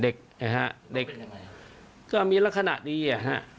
เด็กฮะเด็กก็มีละขนาดดีฮะ